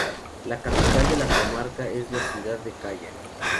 La capital de la comarca es la ciudad de Kaya.